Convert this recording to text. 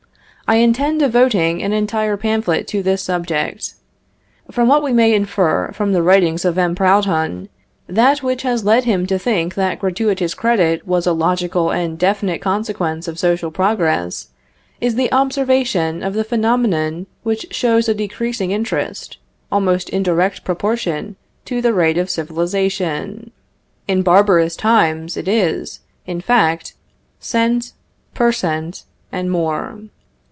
I intend devoting an entire pamphlet to this subject. From what we may infer from the writings of M. Proudhon, that which has led him to think that gratuitous credit was a logical and definite consequence of social progress, is the observation of the phenomenon which shows a decreasing interest, almost in direct proportion to the rate of civilization. In barbarous times it is, in fact, cent. per cent., and more.